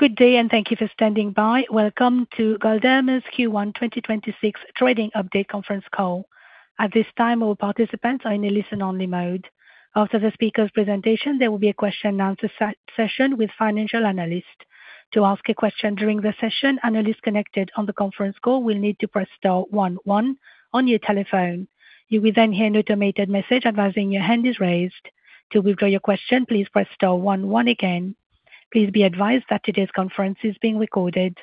Good day, and thank you for standing by. Welcome to Galderma's Q1 2026 Trading Update conference call. At this time, all participants are in a listen-only mode. After the speakers' presentation, there will be a question and answer session with financial analysts. To ask a question during the session, analysts connected on the conference call will need to press star one one on your telephone. You will then hear an automated message advising your hand is raised. To withdraw your question, please press star one one again. Please be advised that today's conference is being recorded.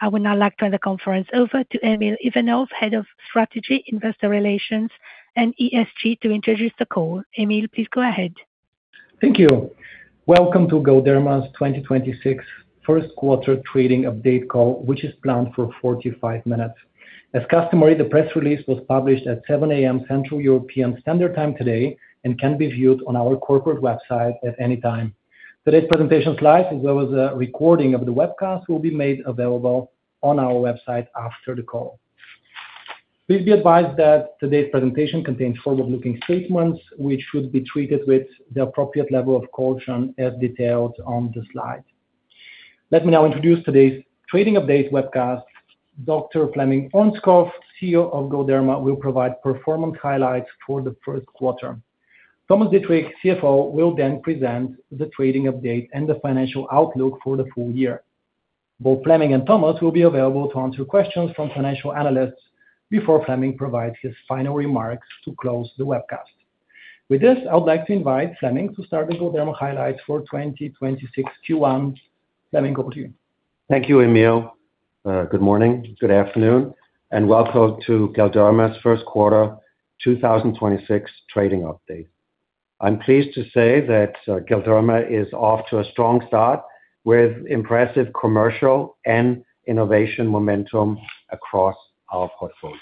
I would now like to hand the conference over to Emil Ivanov, Head of Strategy, Investor Relations, and ESG, to introduce the call. Emil, please go ahead. Thank you. Welcome to Galderma's 2026 first quarter trading update call, which is planned for 45 minutes. As customary, the press release was published at 7:00 A.M. Central European Standard Time today and can be viewed on our corporate website at any time. Today's presentation slides, as well as a recording of the webcast, will be made available on our website after the call. Please be advised that today's presentation contains forward-looking statements, which should be treated with the appropriate level of caution, as detailed on the slide. Let me now introduce today's trading update webcast. Dr. Flemming Ørnskov, CEO of Galderma, will provide performance highlights for the first quarter. Thomas Dittrich, CFO, will then present the trading update and the financial outlook for the full year. Both Flemming and Thomas will be available to answer questions from financial analysts before Flemming provides his final remarks to close the webcast. With this, I would like to invite Flemming to start the Galderma highlights for 2026 Q1. Flemming, over to you. Thank you, Emil. Good morning, good afternoon, and welcome to Galderma's first quarter 2026 trading update. I'm pleased to say that Galderma is off to a strong start with impressive commercial and innovation momentum across our portfolio.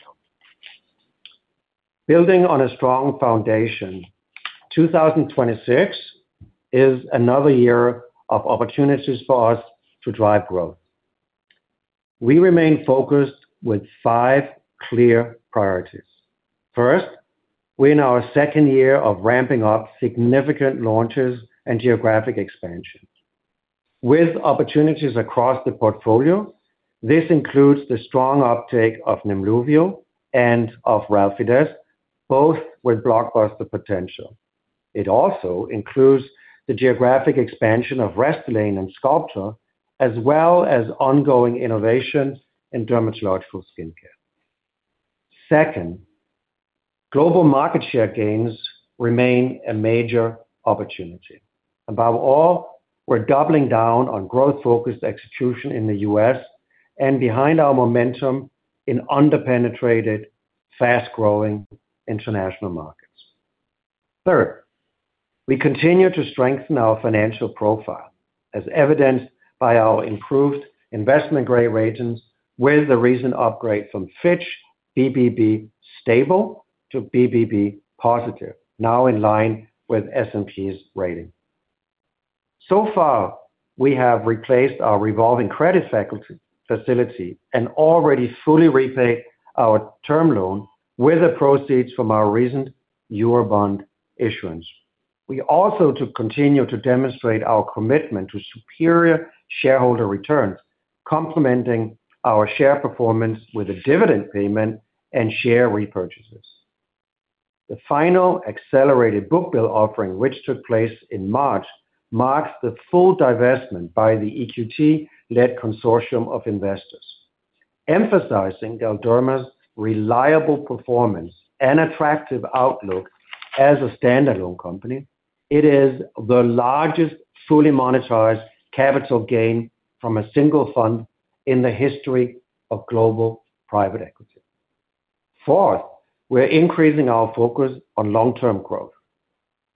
Building on a strong foundation, 2026 is another year of opportunities for us to drive growth. We remain focused with five clear priorities. First, we're in our second year of ramping up significant launches and geographic expansions. With opportunities across the portfolio, this includes the strong uptake of NEMLUVIO and of Relfydess, both with blockbuster potential. It also includes the geographic expansion of Restylane and Sculptra, as well as ongoing innovations in dermatological skincare. Second, global market share gains remain a major opportunity. Above all, we're doubling down on growth-focused execution in the U.S. and behind our momentum in under-penetrated, fast-growing international markets. Third, we continue to strengthen our financial profile, as evidenced by our improved investment-grade ratings with a recent upgrade from Fitch BBB stable to BBB+, now in line with S&P's rating. We have replaced our revolving credit facility and already fully repaid our term loan with the proceeds from our recent Eurobond issuance. We also continue to demonstrate our commitment to superior shareholder returns, complementing our share performance with a dividend payment and share repurchases. The final accelerated book build offering, which took place in March, marks the full divestment by the EQT-led consortium of investors, emphasizing Galderma's reliable performance and attractive outlook as a stand-alone company. It is the largest fully monetized capital gain from a single fund in the history of global private equity. Fourth, we're increasing our focus on long-term growth.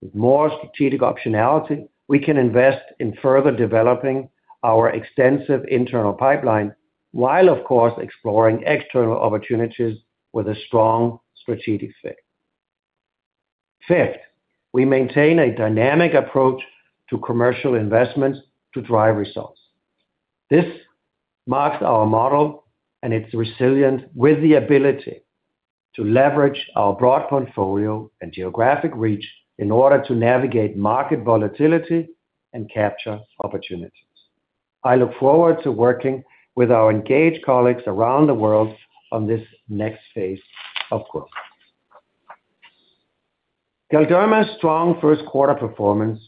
With more strategic optionality, we can invest in further developing our extensive internal pipeline while of course exploring external opportunities with a strong strategic fit. Fifth, we maintain a dynamic approach to commercial investments to drive results. This marks our model, and it's resilient with the ability to leverage our broad portfolio and geographic reach in order to navigate market volatility and capture opportunities. I look forward to working with our engaged colleagues around the world on this next phase of growth. Galderma's strong first-quarter performance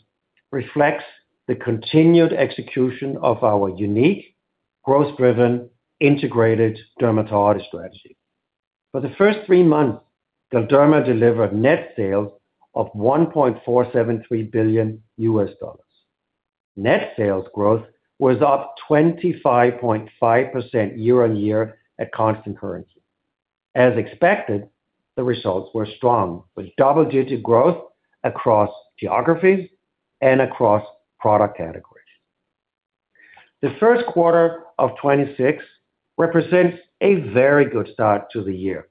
reflects the continued execution of our unique, growth-driven, integrated dermatology strategy. For the first three months, Galderma delivered net sales of $1.473 billion. Net sales growth was up 25.5% year-over-year at constant currency. As expected, the results were strong, with double-digit growth across geographies and across product categories. The first quarter of 2026 represents a very good start to the year,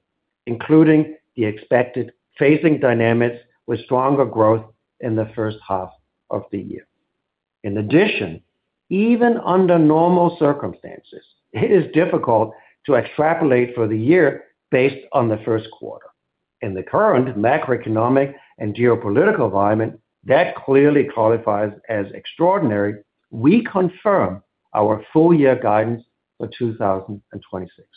including the expected phasing dynamics with stronger growth in the first half of the year. In addition, even under normal circumstances, it is difficult to extrapolate for the year based on the first quarter. In the current macroeconomic and geopolitical environment, that clearly qualifies as extraordinary. We confirm our full-year guidance for 2026.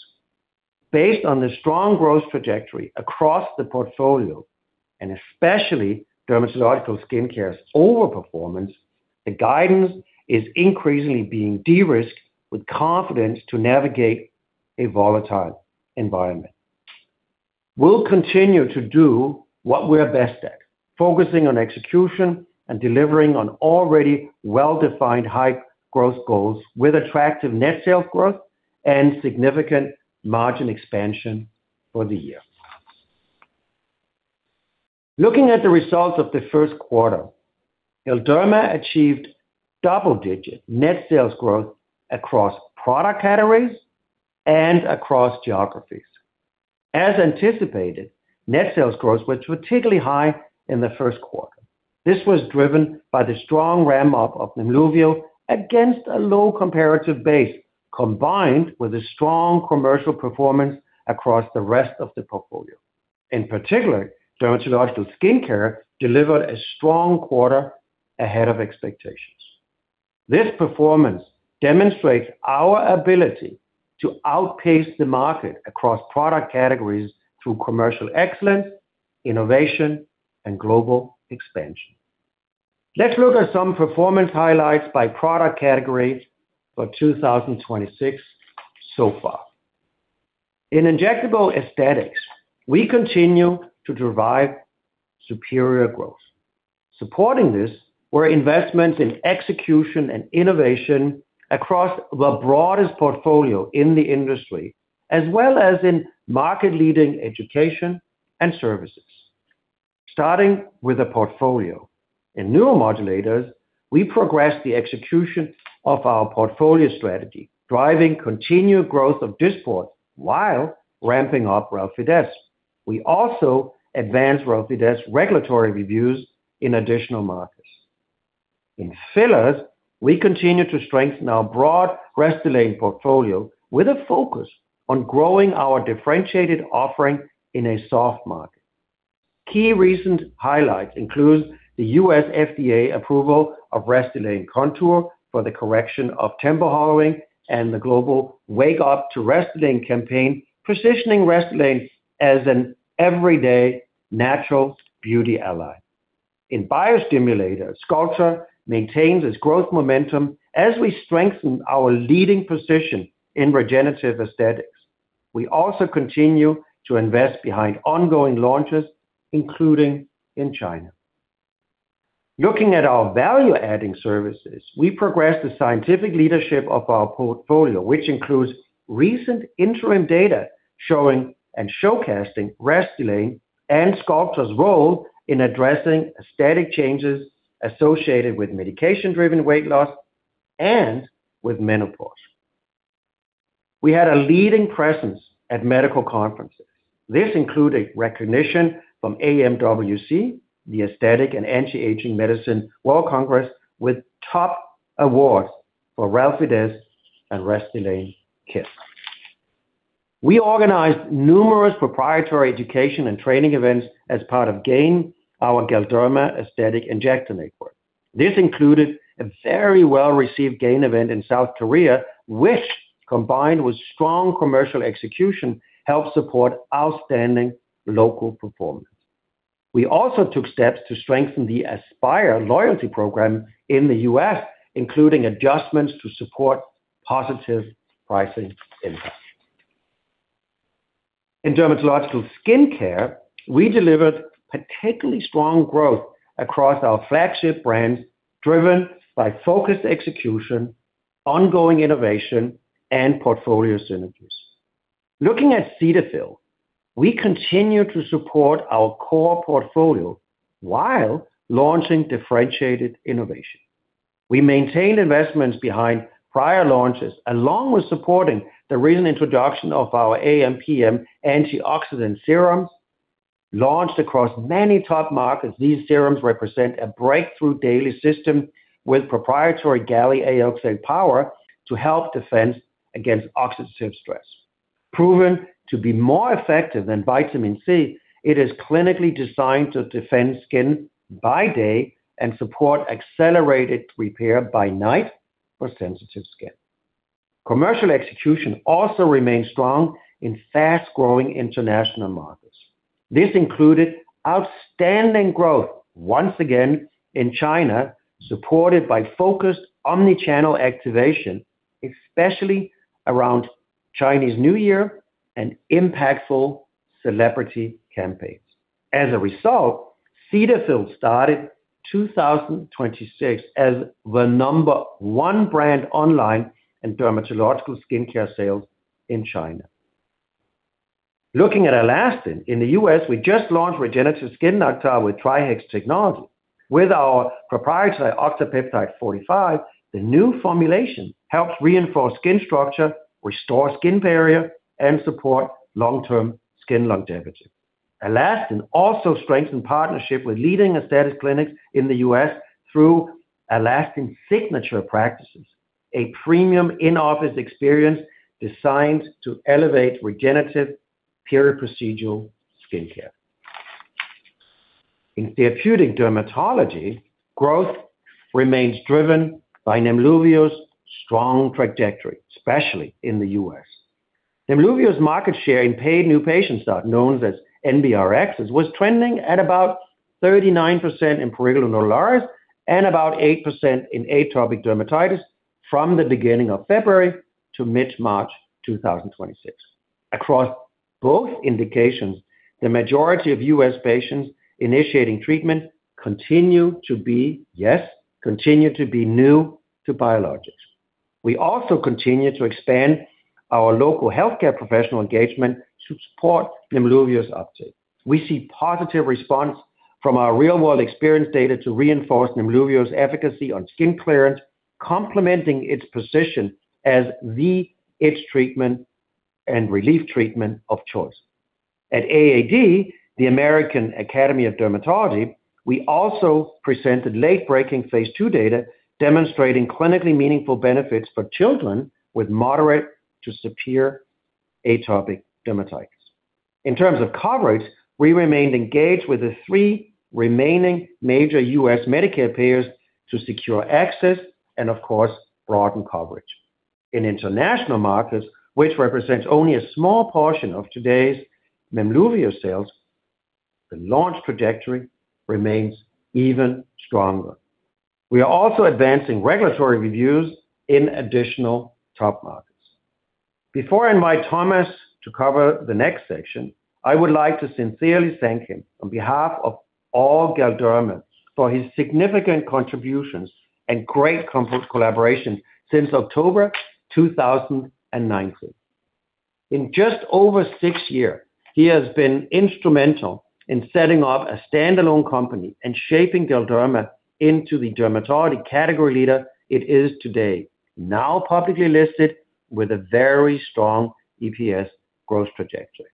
Based on the strong growth trajectory across the portfolio, and especially Dermatological Skincare's over-performance, the guidance is increasingly being de-risked with confidence to navigate a volatile environment. We'll continue to do what we're best at, focusing on execution and delivering on already well-defined high growth goals with attractive net sales growth and significant margin expansion for the year. Looking at the results of the first quarter, Galderma achieved double-digit net sales growth across product categories and across geographies. As anticipated, net sales growth was particularly high in the first quarter. This was driven by the strong ramp-up of NEMLUVIO against a low comparative base, combined with a strong commercial performance across the rest of the portfolio. In particular, Dermatological Skincare delivered a strong quarter ahead of expectations. This performance demonstrates our ability to outpace the market across product categories through commercial excellence, innovation, and global expansion. Let's look at some performance highlights by product categories for 2026 so far. In Injectable Aesthetics, we continue to drive superior growth. Supporting this were investments in execution and innovation across the broadest portfolio in the industry, as well as in market-leading education and services. Starting with a portfolio. In Neuromodulators, we progressed the execution of our portfolio strategy, driving continued growth of Dysport while ramping up Relfydess. We also advanced Relfydess regulatory reviews in additional markets. In Fillers, we continue to strengthen our broad Restylane portfolio with a focus on growing our differentiated offering in a soft market. Key recent highlights include the U.S. FDA approval of Restylane Contour for the correction of temple hollowing and the global Wake Up to Restylane campaign, positioning Restylane as an everyday natural beauty ally. In Biostimulators, Sculptra maintains its growth momentum as we strengthen our leading position in regenerative aesthetics. We also continue to invest behind ongoing launches, including in China. Looking at our value-adding services, we progressed the scientific leadership of our portfolio, which includes recent interim data showing and showcasing Restylane and Sculptra's role in addressing aesthetic changes associated with medication-driven weight loss and with menopause. We had a leading presence at medical conferences. This included recognition from AMWC, the Aesthetic and Anti-Aging Medicine World Congress, with top awards for Relfydess and Restylane Kysse. We organized numerous proprietary education and training events as part of GAIN, our Galderma Aesthetic Injector Network. This included a very well-received GAIN event in South Korea, which, combined with strong commercial execution, helped support outstanding local performance. We also took steps to strengthen the ASPIRE loyalty program in the U.S., including adjustments to support positive pricing impact. In Dermatological Skincare, we delivered particularly strong growth across our flagship brands, driven by focused execution, ongoing innovation, and portfolio synergies. Looking at Cetaphil, we continue to support our core portfolio while launching differentiated innovation. We maintained investments behind prior launches, along with supporting the recent introduction of our AM/PM Antioxidant Serums. Launched across many top markets, these serums represent a breakthrough daily system with proprietary Gallic-AOX Power to help defend against oxidative stress. Proven to be more effective than vitamin C, it is clinically designed to defend skin by day and support accelerated repair by night for sensitive skin. Commercial execution also remains strong in fast-growing international markets. This included outstanding growth, once again, in China, supported by focused omni-channel activation, especially around Chinese New Year and impactful celebrity campaigns. As a result, Cetaphil started 2026 as the number one brand online in dermatological skincare sales in China. Looking at ALASTIN. In the U.S., we just launched Regenerating Skin Nectar with TriHex Technology. With our proprietary Octapeptide-45, the new formulation helps reinforce skin structure, restore skin barrier, and support long-term skin longevity. ALASTIN also strengthened partnership with leading aesthetic clinics in the U.S. through ALASTIN Signature Practices. A premium in-office experience designed to elevate regenerative peri-procedural skincare. In therapeutic dermatology, growth remains driven by NEMLUVIO's strong trajectory, especially in the U.S. NEMLUVIO's market share in paid new patients, known as NBRx, was trending at about 39% in psoriasis and about 8% in atopic dermatitis from the beginning of February to mid-March 2026. Across both indications, the majority of U.S. patients initiating treatment continue to be new to biologics. We also continue to expand our local healthcare professional engagement to support NEMLUVIO's uptake. We see positive response from our real-world experience data to reinforce NEMLUVIO's efficacy on skin clearance, complementing its position as the itch treatment and relief treatment of choice. At AAD, the American Academy of Dermatology, we also presented late-breaking phase II data demonstrating clinically meaningful benefits for children with moderate to severe atopic dermatitis. In terms of coverage, we remained engaged with the three remaining major U.S. Medicare payers to secure access and of course, broaden coverage. In international markets, which represents only a small portion of today's NEMLUVIO sales, the launch trajectory remains even stronger. We are also advancing regulatory reviews in additional top markets. Before I invite Thomas to cover the next section, I would like to sincerely thank him on behalf of all Galderma's for his significant contributions and great collaboration since October 2019. In just over six years, he has been instrumental in setting up a standalone company and shaping Galderma into the dermatology category leader it is today, now publicly listed with a very strong EPS growth trajectory.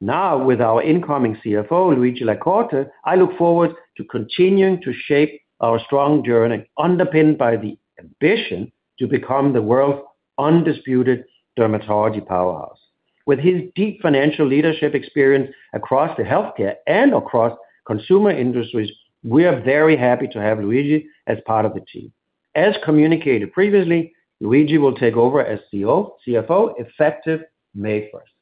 Now with our incoming CFO, Luigi La Corte, I look forward to continuing to shape our strong journey underpinned by the ambition to become the world's undisputed dermatology powerhouse. With his deep financial leadership experience across the healthcare and across consumer industries, we are very happy to have Luigi La Corte as part of the team. As communicated previously, Luigi will take over as CFO effective May 1st.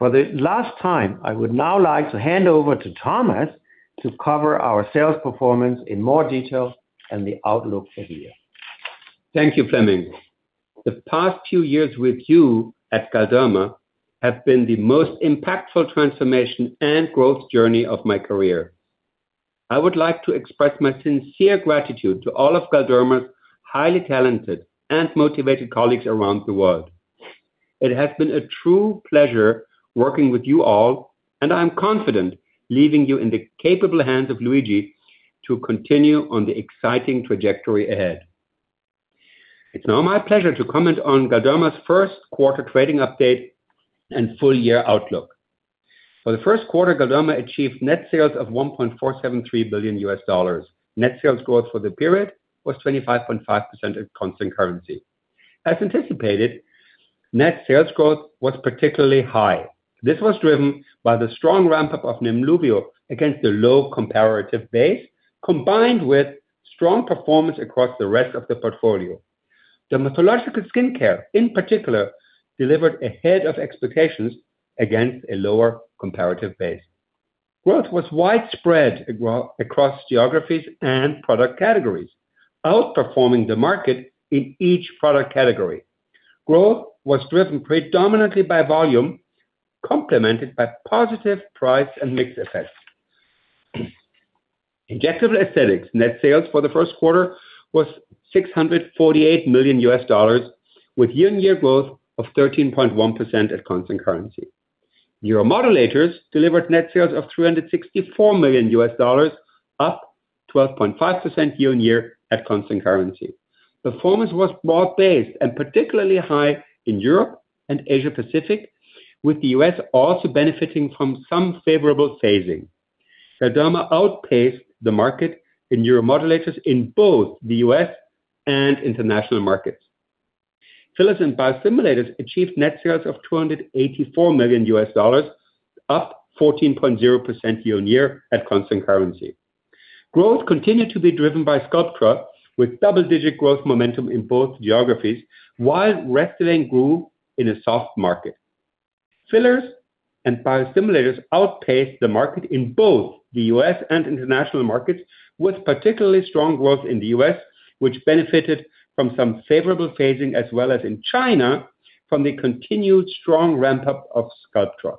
For the last time, I would now like to hand over to Thomas to cover our sales performance in more detail and the outlook for the year. Thank you, Flemming. The past few years with you at Galderma have been the most impactful transformation and growth journey of my career. I would like to express my sincere gratitude to all of Galderma's highly talented and motivated colleagues around the world. It has been a true pleasure working with you all, and I am confident leaving you in the capable hands of Luigi to continue on the exciting trajectory ahead. It's now my pleasure to comment on Galderma's first quarter trading update and full-year outlook. For the first quarter, Galderma achieved net sales of $1.473 billion. Net sales growth for the period was 25.5% at constant currency. As anticipated, net sales growth was particularly high. This was driven by the strong ramp-up of NEMLUVIO against the low comparative base, combined with strong performance across the rest of the portfolio. Dermatological skincare, in particular, delivered ahead of expectations against a lower comparative base. Growth was widespread across geographies and product categories, outperforming the market in each product category. Growth was driven predominantly by volume, complemented by positive price and mix effects. Injectable aesthetics net sales for the first quarter was $648 million, with year-on-year growth of 13.1% at constant currency. Neuromodulators delivered net sales of $364 million, up 12.5% year-on-year at constant currency. Performance was broad-based and particularly high in Europe and Asia Pacific, with the U.S. also benefiting from some favorable phasing. Galderma outpaced the market in neuromodulators in both the U.S. and international markets. Fillers and biostimulators achieved net sales of $284 million, up 14.0% year-on-year at constant currency. Growth continued to be driven by Sculptra, with double-digit growth momentum in both geographies, while Restylane grew in a soft market. Fillers and biostimulators outpaced the market in both the U.S. and international markets, with particularly strong growth in the U.S., which benefited from some favorable phasing, as well as in China, from the continued strong ramp-up of Sculptra.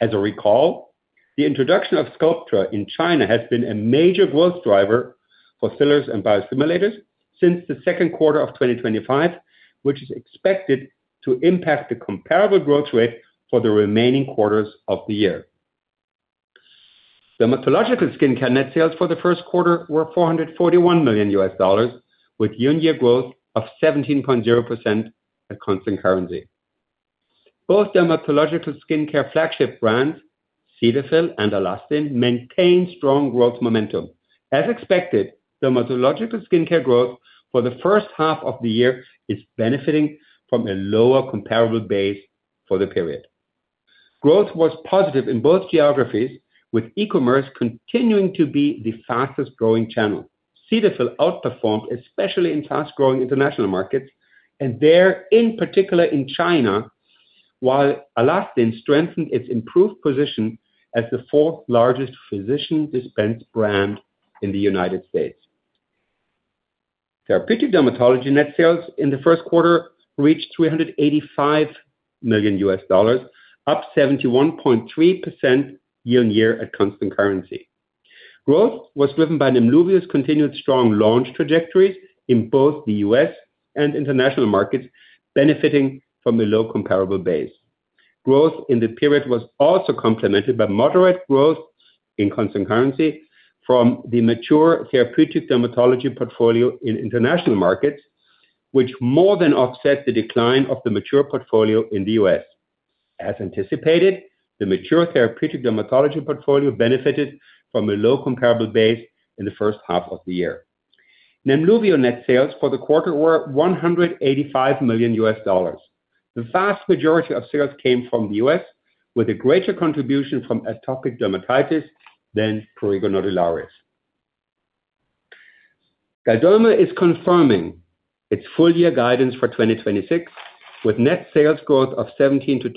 As you'll recall, the introduction of Sculptra in China has been a major growth driver for fillers and biostimulators since the second quarter of 2025, which is expected to impact the comparable growth rate for the remaining quarters of the year. Dermatological skin net sales for the first quarter were $441 million, with year-on-year growth of 17.0% at constant currency. Both dermatological skincare flagship brands, Cetaphil and ALASTIN, maintain strong growth momentum. As expected, dermatological skincare growth for the first half of the year is benefiting from a lower comparable base for the period. Growth was positive in both geographies, with e-commerce continuing to be the fastest-growing channel. Cetaphil outperformed, especially in fast-growing international markets, and there, in particular in China, while ALASTIN strengthened its improved position as the fourth largest physician-dispensed brand in the United States. Therapeutic dermatology net sales in the first quarter reached $385 million, up 71.3% year-on-year at constant currency. Growth was driven by NEMLUVIO's continued strong launch trajectories in both the U.S. and international markets, benefiting from the low comparable base. Growth in the period was also complemented by moderate growth in constant currency from the mature therapeutic dermatology portfolio in international markets, which more than offset the decline of the mature portfolio in the U.S. As anticipated, the mature therapeutic dermatology portfolio benefited from a low comparable base in the first half of the year. NEMLUVIO net sales for the quarter were $185 million. The vast majority of sales came from the U.S., with a greater contribution from atopic dermatitis than prurigo nodularis. Galderma is confirming its full-year guidance for 2026, with net sales growth of 17%-20%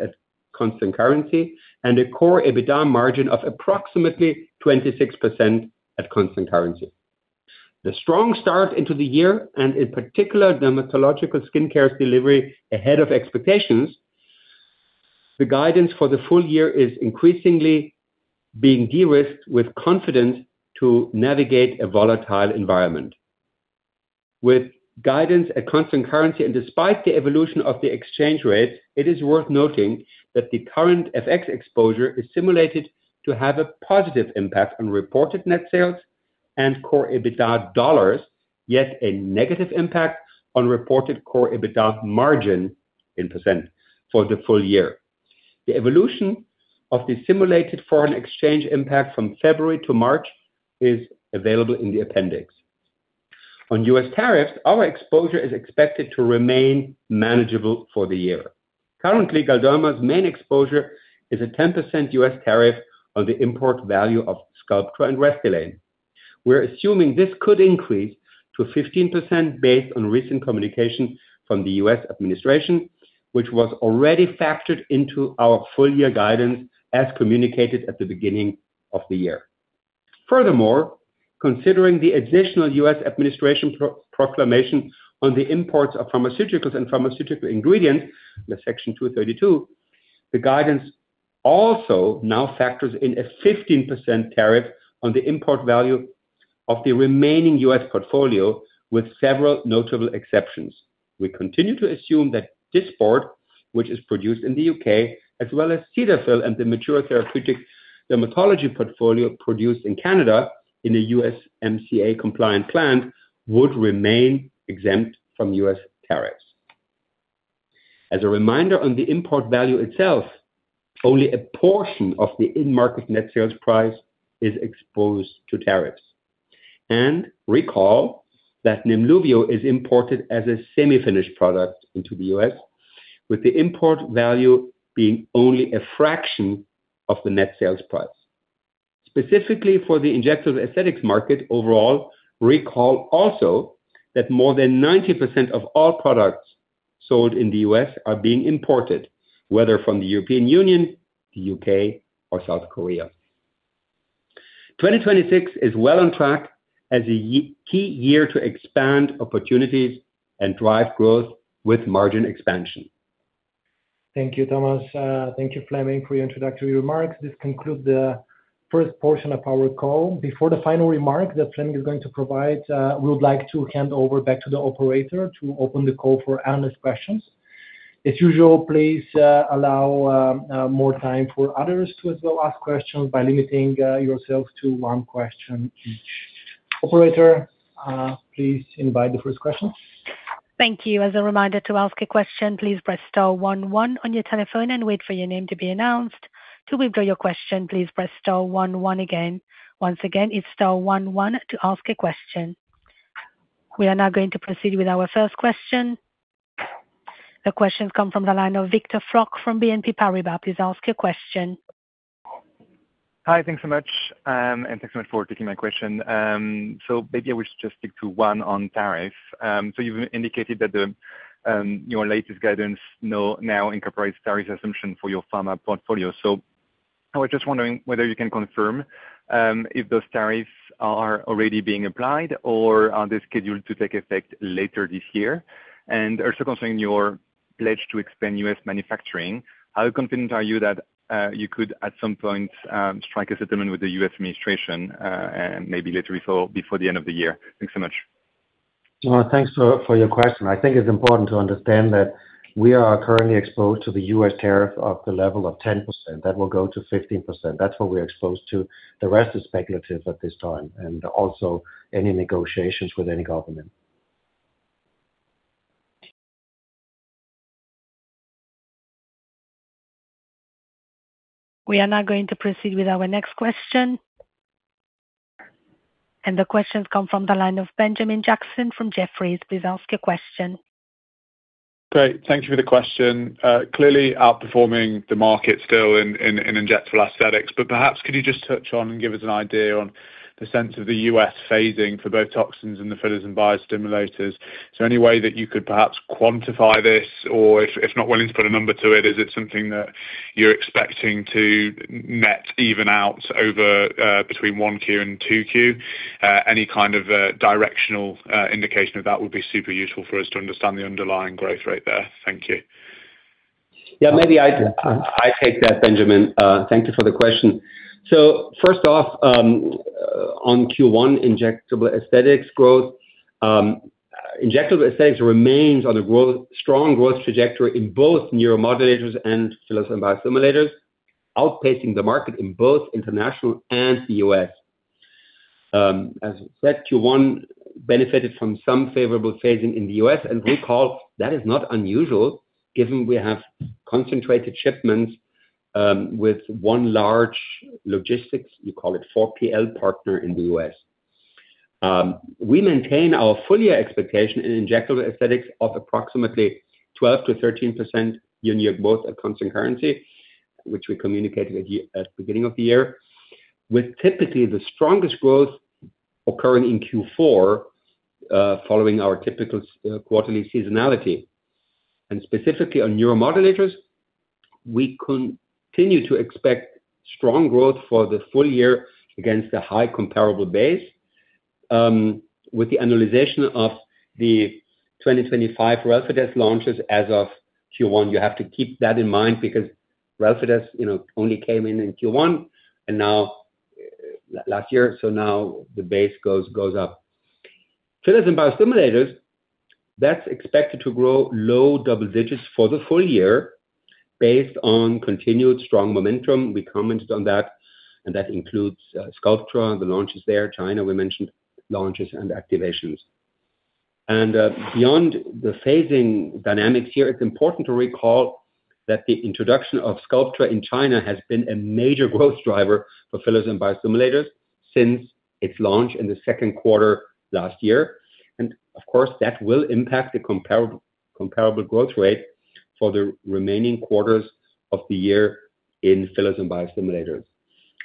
at constant currency and a core EBITDA margin of approximately 26% at constant currency. The strong start into the year, and in particular, dermatological skin care delivery ahead of expectations, the guidance for the full year is increasingly being de-risked with confidence to navigate a volatile environment. With guidance at constant currency and despite the evolution of the exchange rate, it is worth noting that the current FX exposure is simulated to have a positive impact on reported net sales and core EBITDA dollars, yet a negative impact on reported core EBITDA margin in percent for the full year. The evolution of the simulated foreign exchange impact from February to March is available in the appendix. On U.S. tariffs, our exposure is expected to remain manageable for the year. Currently, Galderma's main exposure is a 10% U.S. tariff on the import value of Sculptra and Restylane. We're assuming this could increase to 15% based on recent communication from the U.S. administration, which was already factored into our full-year guidance as communicated at the beginning of the year. Furthermore, considering the additional U.S. administration proclamation on the imports of pharmaceuticals and pharmaceutical ingredients in Section 232, the guidance also now factors in a 15% tariff on the import value of the remaining U.S. portfolio, with several notable exceptions. We continue to assume that Dysport, which is produced in the U.K., as well as Cetaphil and the mature therapeutic dermatology portfolio produced in Canada in a USMCA-compliant plant, would remain exempt from U.S. tariffs. As a reminder on the import value itself, only a portion of the in-market net sales price is exposed to tariffs. Recall that NEMLUVIO is imported as a semi-finished product into the U.S., with the import value being only a fraction of the net sales price. Specifically for the injectable aesthetics market overall, recall also that more than 90% of all products sold in the U.S. are being imported, whether from the European Union, the U.K. or South Korea. 2026 is well on track as a key year to expand opportunities and drive growth with margin expansion. Thank you, Thomas. Thank you, Flemming, for your introductory remarks. This concludes the first portion of our call. Before the final remark that Flemming is going to provide, we would like to hand over back to the operator to open the call for analyst questions. As usual, please allow more time for others to as well ask questions by limiting yourselves to one question each. Operator, please invite the first question. Thank you. As a reminder to ask a question, please press star one one on your telephone and wait for your name to be announced. To withdraw your question, please press star one one again. Once again, it's star one one to ask a question. We are now going to proceed with our first question. The question comes from the line of Victor Floc'h from BNP Paribas. Please ask your question. Hi, thanks so much. Thanks so much for taking my question. Maybe I will just stick to one on tariff. You've indicated that your latest guidance now incorporates tariff assumption for your pharma portfolio. I was just wondering whether you can confirm if those tariffs are already being applied or are they scheduled to take effect later this year? Also concerning your pledge to expand U.S. manufacturing, how confident are you that you could at some point strike a settlement with the U.S. administration, maybe later before the end of the year? Thanks so much. Thanks for your question. I think it's important to understand that we are currently exposed to the U.S. tariff of the level of 10%. That will go to 15%. That's what we're exposed to. The rest is speculative at this time, and also any negotiations with any government. We are now going to proceed with our next question. The question's come from the line of Benjamin Jackson from Jefferies. Please ask your question. Great. Thank you for the question. Clearly outperforming the market still in injectable aesthetics, but perhaps could you just touch on and give us an idea on the sense of the U.S. phasing for both toxins and the fillers and biostimulators? Is there any way that you could perhaps quantify this? Or if not willing to put a number to it, is it something that you're expecting to net even out over between 1Q and 2Q? Any kind of directional indication of that would be super useful for us to understand the underlying growth rate there. Thank you. Yeah. Maybe I take that, Benjamin. Thank you for the question. First off, on Q1 injectable aesthetics growth, injectable aesthetics remains on a strong growth trajectory in both neuromodulators and fillers and biostimulators, outpacing the market in both international and the U.S. As we said Q1 benefited from some favorable phasing in the U.S., and recall, that is not unusual given we have concentrated shipments with one large logistics, we call it 4PL partner in the U.S. We maintain our full year expectation in injectable aesthetics of approximately 12%-13% year-on-year growth at constant currency, which we communicated at the beginning of the year, with typically the strongest growth occurring in Q4, following our typical quarterly seasonality. Specifically on neuromodulators, we continue to expect strong growth for the full year against a high comparable base, with the annualization of the 2025 Relfydess launches as of Q1. You have to keep that in mind because Ralphitus only came in Q1 and now last year, so now the base goes up. Fillers and biostimulators, that's expected to grow low double digits for the full year based on continued strong momentum. We commented on that, and that includes Sculptra and the launches there, China, we mentioned launches and activations. Beyond the phasing dynamics here, it's important to recall that the introduction of Sculptra in China has been a major growth driver for fillers and biostimulators since its launch in the second quarter last year. Of course, that will impact the comparable growth rate for the remaining quarters of the year in fillers and biostimulators.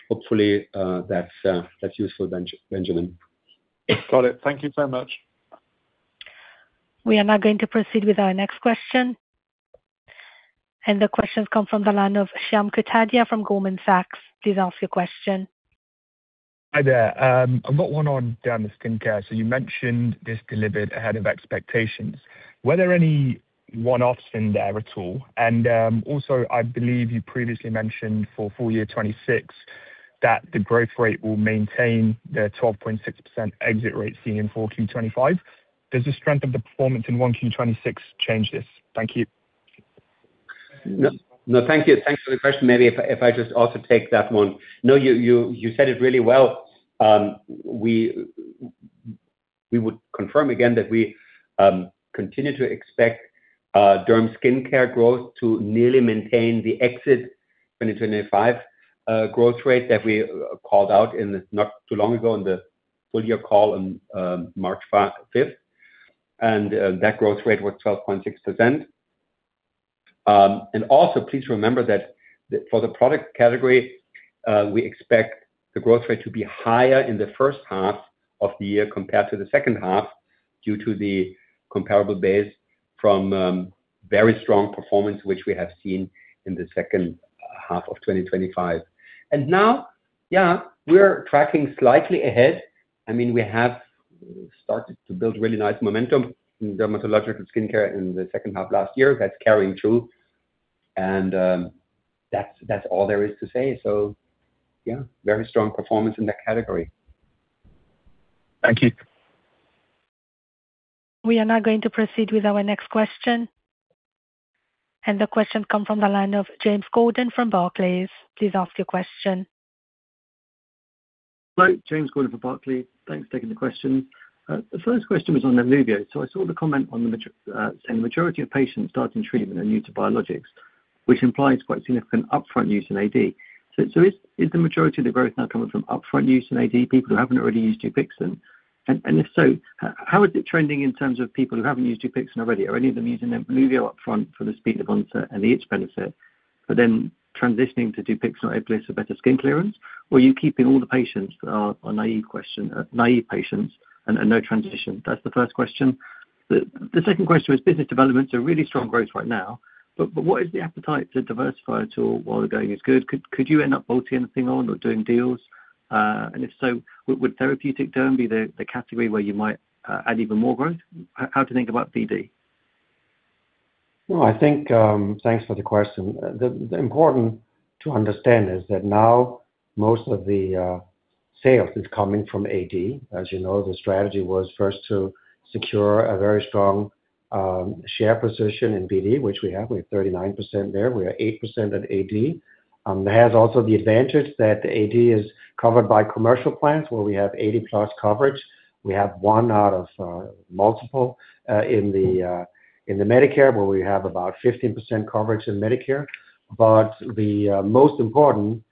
Hopefully, that's useful, Benjamin. Got it. Thank you so much. We are now going to proceed with our next question. The question's come from the line of Shyam Kotadia from Goldman Sachs. Please ask your question. Hi there. I've got one on DermSkincare. You mentioned this delivered ahead of expectations. Were there any one-offs in there at all? Also, I believe you previously mentioned for full year 2026 that the growth rate will maintain the 12.6% exit rate seen in full Q 2025. Does the strength of the performance in 1Q 2026 change this? Thank you. No. Thank you. Thanks for the question. Maybe if I just also take that one. No, you said it really well. We would confirm again that we continue to expect DermSkincare growth to nearly maintain the exit 2025 growth rate that we called out not too long ago in the full year call on March 5th. That growth rate was 12.6%. Also please remember that for the product category, we expect the growth rate to be higher in the first half of the year compared to the second half due to the comparable base from very strong performance, which we have seen in the second half of 2025. Now, yeah, we're tracking slightly ahead. I mean, we have started to build really nice momentum in dermatological skincare in the second half of last year. That's carrying through. That's all there is to say. Yeah, very strong performance in that category. Thank you. We are now going to proceed with our next question. The question comes from the line of James Gordon from Barclays. Please ask your question. Hello, James Gordon for Barclays. Thanks for taking the question. The first question was on NEMLUVIO. I saw the comment saying the majority of patients starting treatment are new to biologics, which implies quite significant upfront use in AD. Is the majority of the growth now coming from upfront use in AD, people who haven't already used DUPIXENT? And if so, how is it trending in terms of people who haven't used DUPIXENT already? Are any of them using NEMLUVIO upfront for the speed of onset and the itch benefit, but then transitioning to DUPIXENT or eblasakimab for better skin clearance? Or are you keeping all the patients that are naive patients and no transition? That's the first question. The second question was business developments. They're really strong growth right now, but what is the appetite to diversify at all while the going is good? Could you end up bolting anything on or doing deals? If so, would therapeutic derm be the category where you might add even more growth? How to think about BD? No, I think, thanks for the question. The important thing to understand is that now most of the sales is coming from AD. As you know, the strategy was first to secure a very strong. Our share position in BD, which we have 39% there. We are 8% at AD. That has also the advantage that AD is covered by commercial plans where we have 80%+ coverage. We have one of multiple in Medicare, where we have about 15% coverage in Medicare. The most important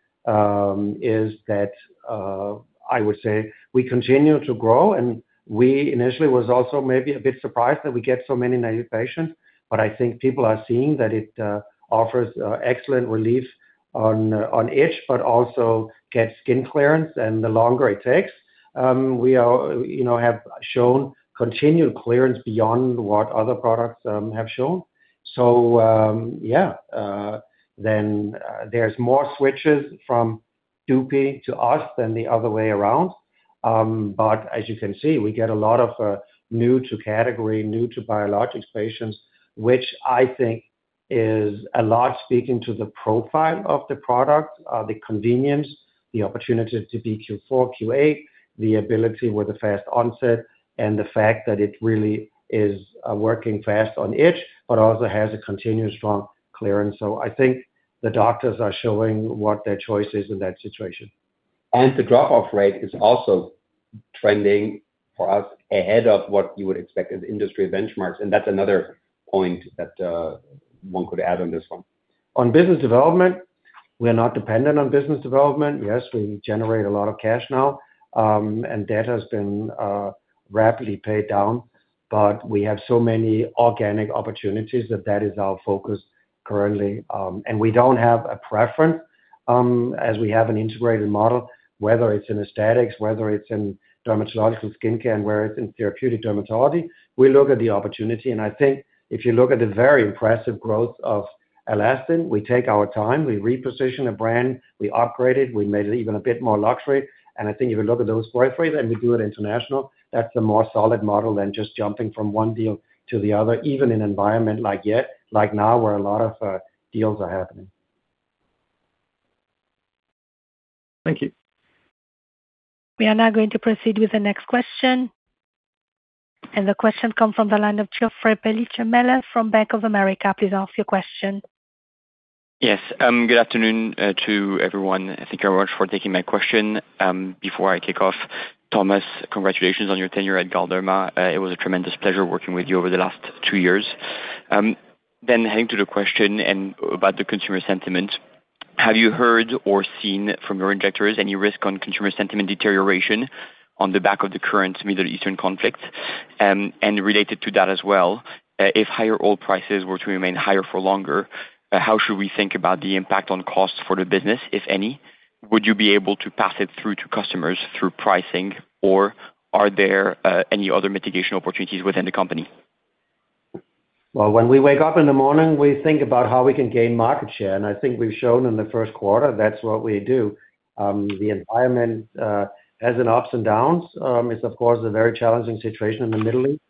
is that, I would say, we continue to grow, and we initially was also maybe a bit surprised that we get so many naive patients. I think people are seeing that it offers excellent relief on itch, but also get skin clearance and the longer it takes. We have shown continued clearance beyond what other products have shown. Yes. There's more switches from DUPIXENT to us than the other way around. As you can see, we get a lot of new to category, new to biologics patients, which I think is largely speaking to the profile of the product, the convenience, the opportunity to be Q4, Q8, the ability with a fast onset, and the fact that it really is working fast on itch, but also has a continuous strong clearance. I think the doctors are showing what their choice is in that situation. The drop-off rate is also trending for us ahead of what you would expect as industry benchmarks, and that's another point that one could add on this one. On business development, we are not dependent on business development. Yes, we generate a lot of cash now, and debt has been rapidly paid down, but we have so many organic opportunities that that is our focus currently. We don't have a preference, as we have an integrated model, whether it's in aesthetics, whether it's in dermatological skincare, and whether it's in therapeutic dermatology. We look at the opportunity, and I think if you look at the very impressive growth of ALASTIN, we take our time, we reposition a brand, we operate it, we made it even a bit more luxury. I think if you look at those growth rates and we do it international, that's the more solid model than just jumping from one deal to the other, even in an environment like now where a lot of deals are happening. Thank you. We are now going to proceed with the next question. The question comes from the line of Geoff Meacham from Bank of America. Please ask your question. Yes. Good afternoon to everyone, and thank you very much for taking my question. Before I kick off, Thomas, congratulations on your tenure at Galderma. It was a tremendous pleasure working with you over the last two years. Heading to the question about the consumer sentiment, have you heard or seen from your injectors any risk on consumer sentiment deterioration on the back of the current Middle Eastern conflict? Related to that as well, if higher oil prices were to remain higher for longer, how should we think about the impact on costs for the business, if any? Would you be able to pass it through to customers through pricing, or are there any other mitigation opportunities within the company? Well, when we wake up in the morning, we think about how we can gain market share, and I think we've shown in the first quarter that's what we do. The environment has its ups and downs. It's, of course, a very challenging situation in the Middle East.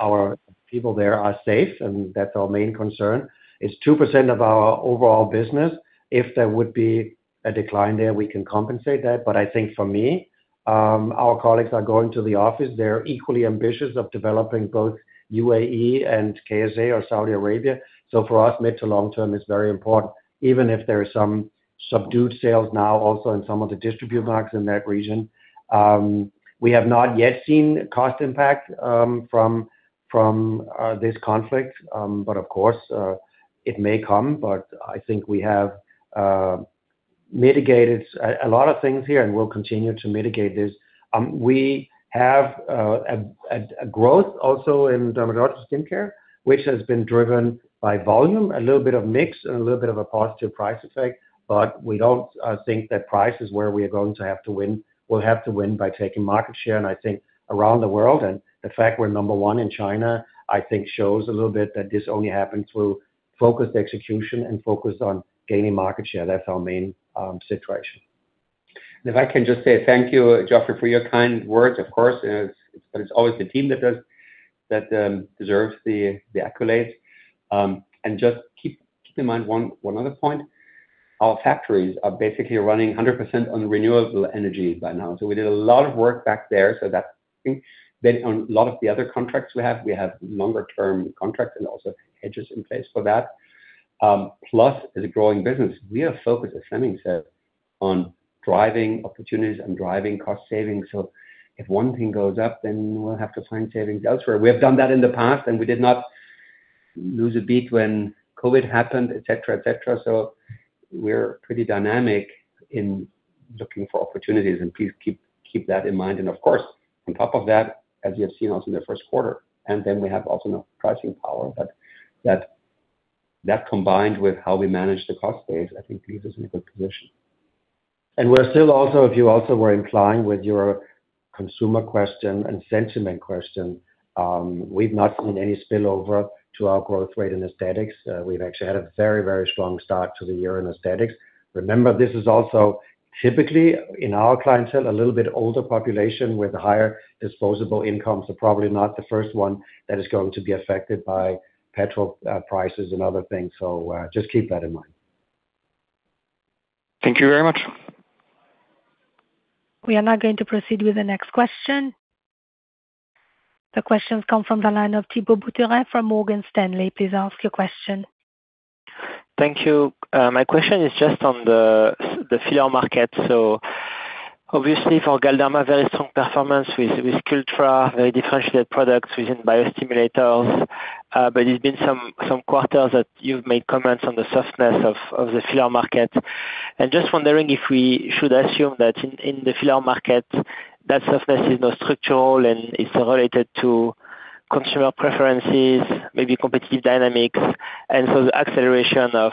Our people there are safe, and that's our main concern. It's 2% of our overall business. If there would be a decline there, we can compensate that. But I think for me, our colleagues are going to the office. They're equally ambitious about developing both UAE and KSA or Saudi Arabia. For us, mid- to long-term is very important, even if there is some subdued sales now also in some of the distributor markets in that region. We have not yet seen cost impact from this conflict, but of course, it may come, but I think we have mitigated a lot of things here, and we'll continue to mitigate this. We have a growth also in dermatology skincare, which has been driven by volume, a little bit of mix and a little bit of a positive price effect, but we don't think that price is where we're going to have to win. We'll have to win by taking market share. I think around the world, and the fact we're number one in China, I think shows a little bit that this only happens through focused execution and focus on gaining market share. That's our main situation. If I can just say thank you, Geoff, for your kind words, of course, but it's always the team that deserves the accolades. Just keep in mind one other point. Our factories are basically running 100% on renewable energy by now. We did a lot of work back there so that on a lot of the other contracts we have, we have longer-term contracts and also hedges in place for that. Plus, as a growing business, we are focused, as Flemming said, on driving opportunities and driving cost savings. If one thing goes up, then we'll have to find savings elsewhere. We have done that in the past, and we did not lose a beat when COVID happened, et cetera. We're pretty dynamic in looking for opportunities, and please keep that in mind. Of course, on top of that, as you have seen also in the first quarter, and then we have also now pricing power. That combined with how we manage the cost base, I think leaves us in a good position. We're still also, if you also were implying with your consumer question and sentiment question, we've not seen any spillover to our growth rate in aesthetics. We've actually had a very strong start to the year in aesthetics. Remember, this is also typically in our clientele, a little bit older population with higher disposable income, so probably not the first one that is going to be affected by petrol prices and other things. Just keep that in mind. Thank you very much. We are now going to proceed with the next question. The question's come from the line of Thibault Boutherin from Morgan Stanley. Please ask your question. Thank you. My question is just on the filler market. Obviously for Galderma, very strong performance with Sculptra, very differentiated products within biostimulators. It's been some quarters that you've made comments on the softness of the filler market. Just wondering if we should assume that in the filler market, that softness is now structural and is related to consumer preferences, maybe competitive dynamics. The acceleration of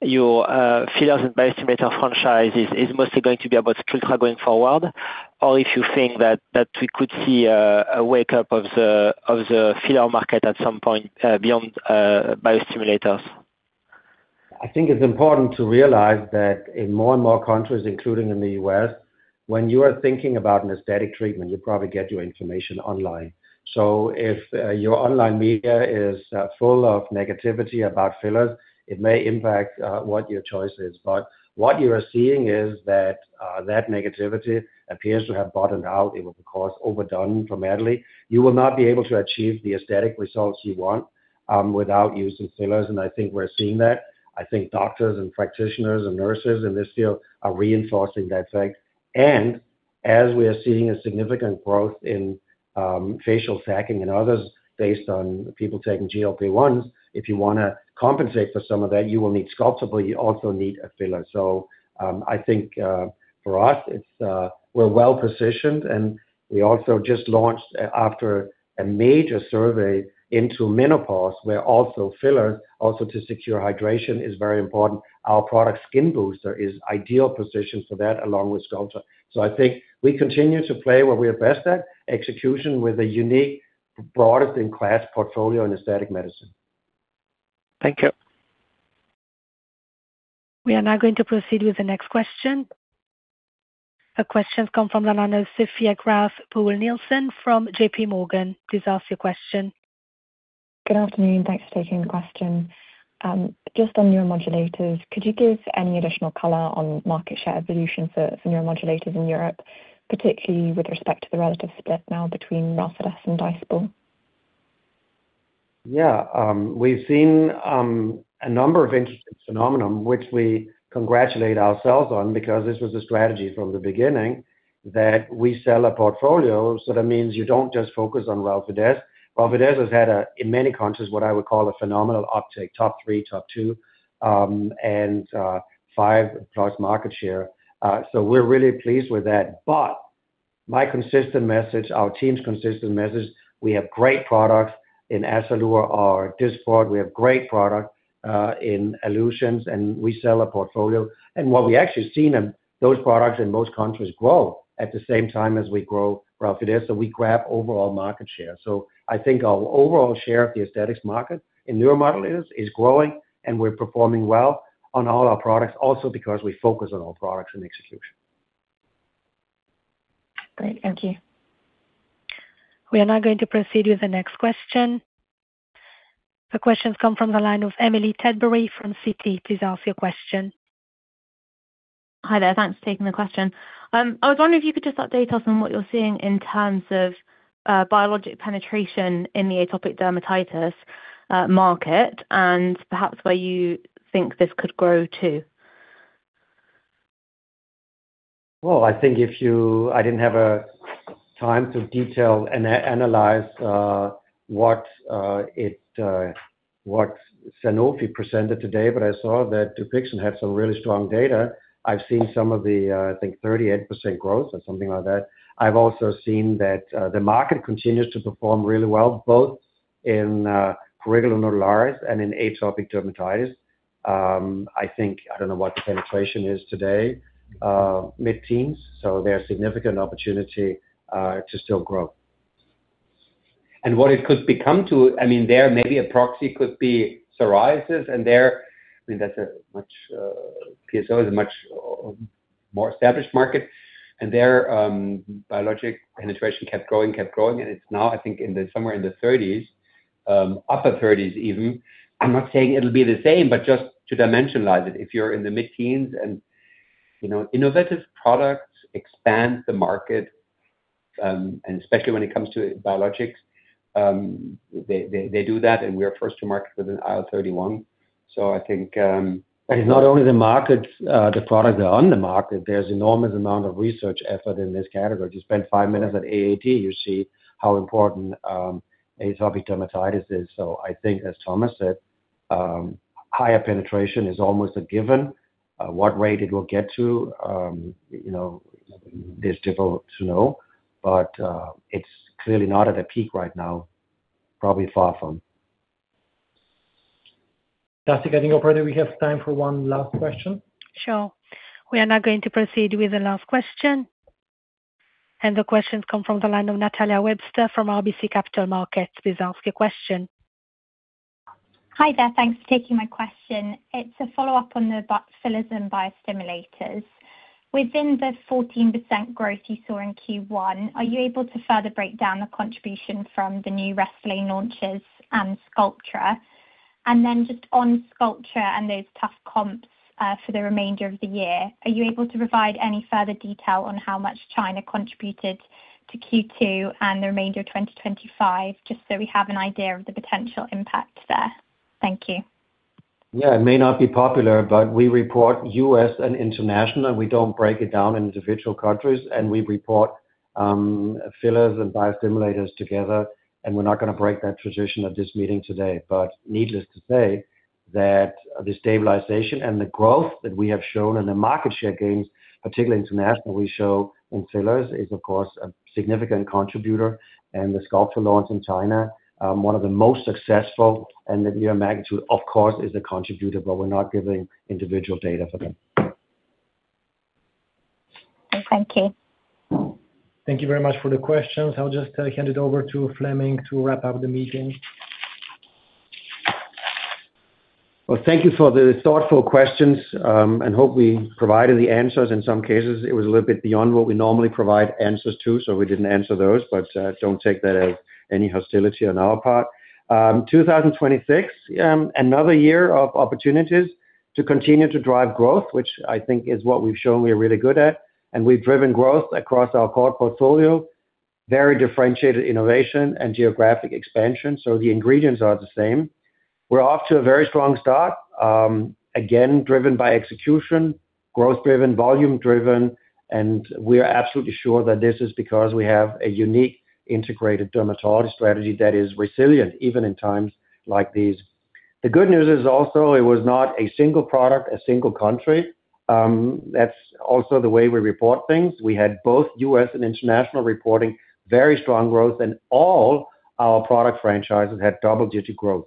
your fillers and biostimulator franchise is mostly going to be about Sculptra going forward, or if you think that we could see a wake-up of the filler market at some point, beyond biostimulators. I think it's important to realize that in more and more countries, including in the U.S., when you are thinking about an aesthetic treatment, you probably get your information online. If your online media is full of negativity about fillers, it may impact what your choice is. What you are seeing is that negativity appears to have bottomed out. It was, of course, overdone dramatically. You will not be able to achieve the aesthetic results you want, without using fillers, and I think we're seeing that. I think doctors and practitioners and nurses in this field are reinforcing that fact. As we are seeing a significant growth in facial sagging in older based on people taking GLP-1, if you want to compensate for some of that, you will need Sculptra, but you also need a filler. I think, for us, we're well-positioned, and we also just launched after a major survey into menopause, where also filler, also to secure hydration is very important. Our product Restylane Skinboosters is ideally positioned for that, along with Sculptra. I think we continue to play where we are best at, execution with a unique, broadest-in-class portfolio in aesthetic medicine. Thank you. We are now going to proceed with the next question. The question's come from the line of Sophia Graeff Buhl-Nielsen from JPMorgan. Please ask your question. Good afternoon, thanks for taking the question. Just on neuromodulators, could you give any additional color on market share evolution for neuromodulators in Europe, particularly with respect to the relative split now between Relfydess and Dysport? Yeah. We've seen a number of interesting phenomenon, which we congratulate ourselves on because this was a strategy from the beginning, that we sell a portfolio, so that means you don't just focus on Restylane. Restylane has had, in many countries, what I would call a phenomenal uptake, top three, top two, and five plus market share. We're really pleased with that. My consistent message, our team's consistent message, we have great products in Azzalure or Dysport. We have great product, in Alluzience, and we sell a portfolio. What we actually see in those products in most countries grow at the same time as we grow Restylane, so we grab overall market share. I think our overall share of the aesthetics market in neuromodulators is growing, and we're performing well on all our products also because we focus on all products and execution. Great. Thank you. We are now going to proceed with the next question. The question's come from the line of Emily Tedbury from Citi. Please ask your question. Hi there. Thanks for taking the question. I was wondering if you could just update us on what you're seeing in terms of biologic penetration in the atopic dermatitis market and perhaps where you think this could grow too. I didn't have time to detail and analyze what Sanofi presented today, but I saw that DUPIXENT had some really strong data. I've seen some of the, I think 38% growth or something like that. I've also seen that the market continues to perform really well, both in prurigo nodularis and in atopic dermatitis. I don't know what the penetration is today, mid-teens. So there's significant opportunity to still grow. What it could become to, there may be a proxy could be psoriasis and there, PSO is a much more established market, and their biologic penetration kept growing, and it's now, I think in somewhere in the 30s, upper 30s even. I'm not saying it'll be the same, but just to dimensionalize it, if you're in the mid-teens and innovative products expand the market, and especially when it comes to biologics, they do that, and we are first to market with an IL-31. I think it's not only the markets, the products are on the market. There's enormous amount of research effort in this category. If you spend five minutes at AAD, you see how important atopic dermatitis is. I think as Thomas said, higher penetration is almost a given. What rate it will get to is difficult to know. It's clearly not at a peak right now, probably far from. Jessica, I think we have time for one last question. Sure. We are now going to proceed with the last question. The question's come from the line of Natalia Webster from RBC Capital Markets. Please ask your question. Hi there. Thanks for taking my question. It's a follow-up on the bot fillers and biostimulators. Within the 14% growth you saw in Q1, are you able to further break down the contribution from the new Restylane launches and Sculptra? Just on Sculptra and those tough comps for the remainder of the year, are you able to provide any further detail on how much China contributed to Q2 and the remainder of 2025, just so we have an idea of the potential impact there? Thank you. Yeah, it may not be popular, but we report U.S. and international, we don't break it down in individual countries, and we report fillers and biostimulators together, and we're not going to break that tradition at this meeting today. Needless to say, that the stabilization and the growth that we have shown and the market share gains, particularly international, we show in fillers is, of course, a significant contributor. The Sculptra launch in China, one of the most successful and the magnitude, of course, is a contributor, but we're not giving individual data for that. Thank you. Thank you very much for the questions. I'll just hand it over to Flemming to wrap up the meeting. Well, thank you for the thoughtful questions, and I hope we provided the answers. In some cases, it was a little bit beyond what we normally provide answers to, so we didn't answer those, but don't take that as any hostility on our part. 2026, another year of opportunities to continue to drive growth, which I think is what we've shown we're really good at. We've driven growth across our core portfolio, very differentiated innovation and geographic expansion, so the ingredients are the same. We're off to a very strong start, again, driven by execution, growth-driven, volume-driven, and we are absolutely sure that this is because we have a unique integrated dermatology strategy that is resilient even in times like these. The good news is also it was not a single product, a single country. That's also the way we report things. We had both U.S. and international reporting, very strong growth, and all our product franchises had double-digit growth.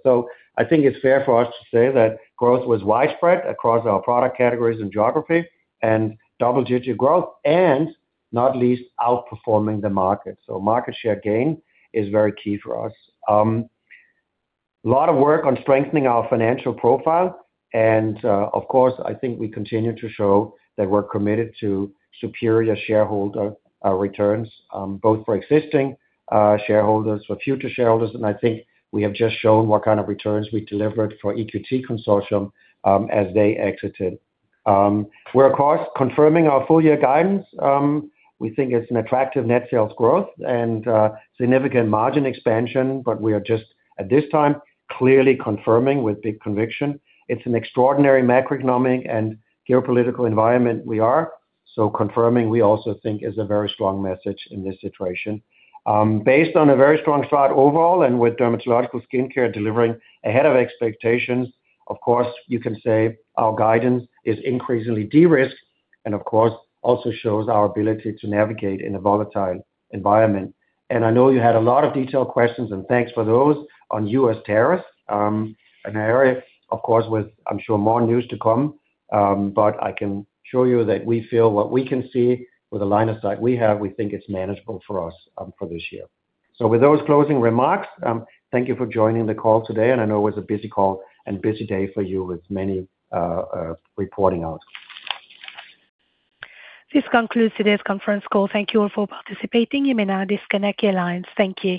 I think it's fair for us to say that growth was widespread across our product categories and geography and double-digit growth and not least outperforming the market. Market share gain is very key for us. A lot of work on strengthening our financial profile, and, of course, I think we continue to show that we're committed to superior shareholder returns, both for existing shareholders, for future shareholders, and I think we have just shown what kind of returns we delivered for EQT Consortium, as they exited. We're of course confirming our full-year guidance. We think it's an attractive net sales growth and significant margin expansion, but we are just at this time clearly confirming with big conviction. It's an extraordinary macroeconomic and geopolitical environment we are. Confirming we also think this is a very strong message in this situation. Based on a very strong start overall and with dermatological skincare delivering ahead of expectations, of course, you can say our guidance is increasingly de-risked and of course also shows our ability to navigate in a volatile environment. I know you had a lot of detailed questions, and thanks for those on U.S. tariffs, an area of course with, I'm sure, more news to come. I can show you that we feel what we can see with the line of sight we have, we think it's manageable for us, for this year. With those closing remarks, thank you for joining the call today, and I know it was a busy call and busy day for you with many reporting out. This concludes today's conference call. Thank you all for participating. You may now disconnect your lines. Thank you.